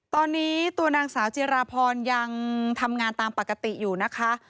ตอนนี้ตัวนางสาวจิราพรยังทำงานตามปกติอยู่นะคะ